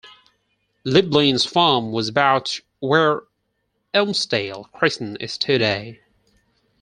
Lieblin's farm was about where Elmsdale Crescent is today.